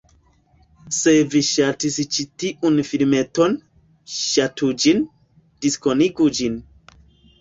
Se vi ŝatis ĉi tiun filmeton, ŝatu ĝin, diskonigu ĝin